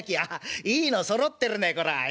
いいのそろってるねこらあええ？